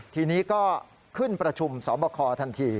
ทีนี้ก็ขึ้นประชุมสอบคอทันที